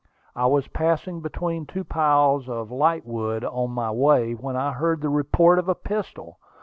I was passing between two piles of lightwood on my way, when I heard the report of a pistol.